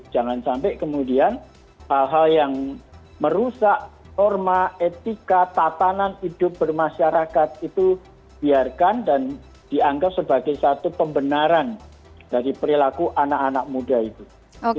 jangan sampai kemudian hal hal yang merusak norma etika tatanan hidup bermasyarakat itu biarkan dan dianggap sebagai satu pembenaran dari perilaku anak anak muda itu